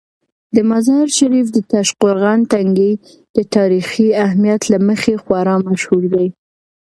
د مزار شریف د تاشقرغان تنګي د تاریخي اهمیت له مخې خورا مشهور دی.